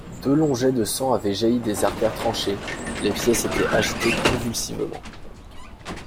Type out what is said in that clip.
Deux longs jets de sang avaient jailli des artères tranchées, les pieds s'étaient agités convulsivement.